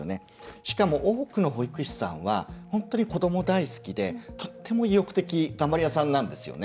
しかも多くの保育士さんは本当に子ども大好きでとても意欲的頑張り屋さんなんですよね。